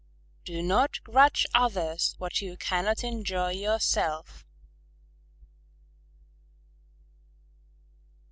_Do not grudge others what you cannot enjoy yourself.